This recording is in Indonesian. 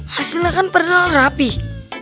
hasilnya kan padahal rapih